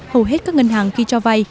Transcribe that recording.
hầu hết các ngân hàng khi cho vay